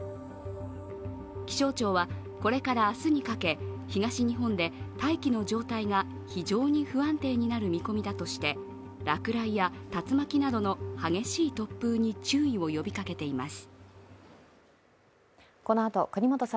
気象庁は、これから明日にかけ東日本で大気の状態が非常に不安定になる見込みだとして落雷や竜巻などの激しい突風に注意を呼びかけています。